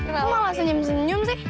lo mau aslinya emang senyum sih